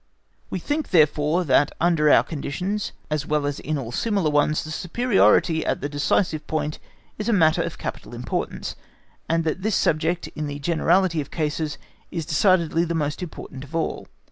We think, therefore, that under our conditions, as well as in all similar ones, the superiority at the decisive point is a matter of capital importance, and that this subject, in the generality of cases, is decidedly the most important of all.